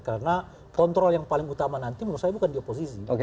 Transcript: karena kontrol yang paling utama nanti menurut saya bukan di oposisi